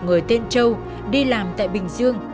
người tên châu đi làm tại bình dương